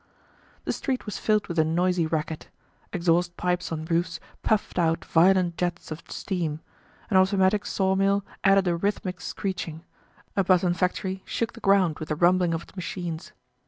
The street was filled with a noisy racket. Exhaust pipes on roofs puffed out violent jets of steam; an automatic sawmill added a rhythmic screeching; a button factory shook the ground with the rumbling of its machines.